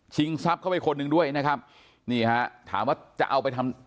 ทรัพย์เข้าไปคนหนึ่งด้วยนะครับนี่ฮะถามว่าจะเอาไปทำ